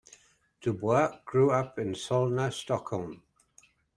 Dubois grew up in Solna, Stockholm.